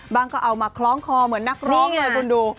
ก็เอามาคล้องคอเหมือนนักร้องเลยคุณดู